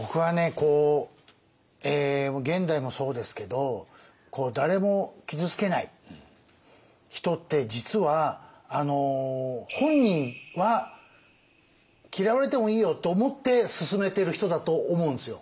こう現代もそうですけど誰も傷つけない人って実は本人は嫌われてもいいよと思って進めてる人だと思うんですよ。